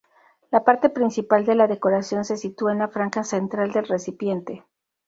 La parte principal de la decoración se sitúa en la franja central del recipiente.